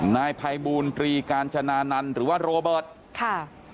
นายภัยบูรตรีกาญจนานันต์หรือว่าโรเบิร์ตค่ะ